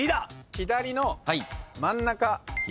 左の真ん中。